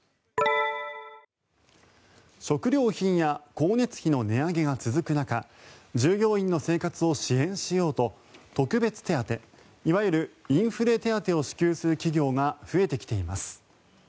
食料品や光熱費の値上げが続く中従業員の生活を支援しようと特別手当いわゆるインフレ手当を支給する企業が増えてきています。